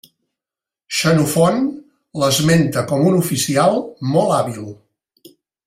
Xenofont l'esmenta com un oficial molt hàbil.